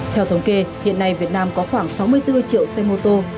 theo thống kê hiện nay việt nam có khoảng sáu mươi bốn triệu xe mô tô